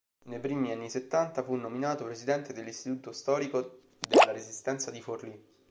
Nei primi anni settanta fu nominato presidente dell'Istituto storico della Resistenza di Forlì.